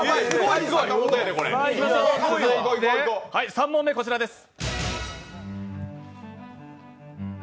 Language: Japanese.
３問目、こちらです。